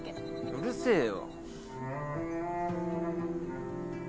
うるせえよ